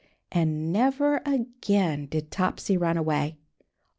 And never again did Topsy run away.